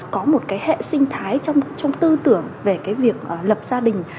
có một hệ sinh thái trong tư tưởng về việc lập gia đình